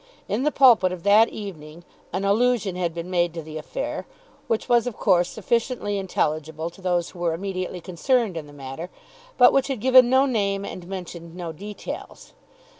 In the "Pulpit" of that evening an allusion had been made to the affair, which was of course sufficiently intelligible to those who were immediately concerned in the matter, but which had given no name and mentioned no details.